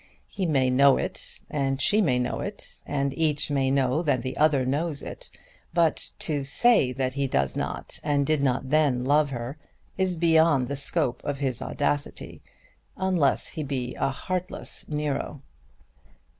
He may know it, and she may know it, and each may know that the other knows it; but to say that he does not and did not then love her is beyond the scope of his audacity, unless he be a heartless Nero.